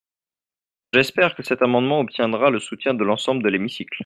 J’espère que cet amendement obtiendra le soutien de l’ensemble de l’hémicycle.